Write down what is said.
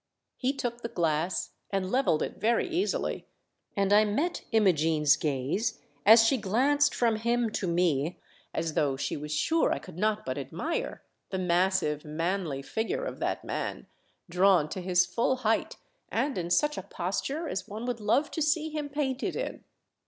He took the glass and levelled it very easily, and I met Imogene's gaze as she glanced from him to me, as though she was sure I could not but admire the massive, manly figure of that man, drawn to his full height, and in such a posture as one would love to see him painted in.